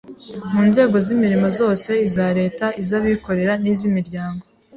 Mu nzego z’imirimo zose, iza Leta, iz’abikorera n’iz’imiryango